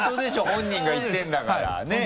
本人が言ってるんだからねぇ？